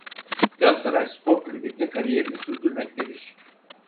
Galatasaray Spor Kulübü'nde kariyerini sürdürmektedir.